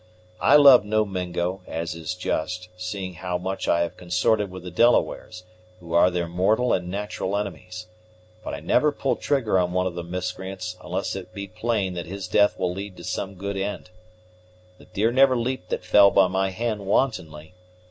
I love no Mingo, as is just, seeing how much I have consorted with the Delawares, who are their mortal and natural enemies; but I never pull trigger on one of the miscreants unless it be plain that his death will lead to some good end. The deer never leaped that fell by my hand wantonly.